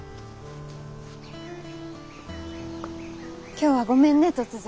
今日はごめんね突然。